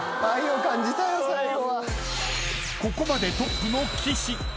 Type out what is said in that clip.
［ここまでトップの岸］